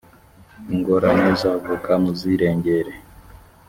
ingorane zavuka muzirengere.